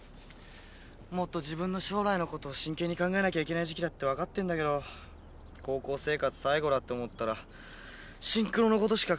もっと自分の将来のことを真剣に考えなきゃいけない時期だって分かってんだけど高校生活最後だって思ったらシンクロのことしか考えらんなくてさ。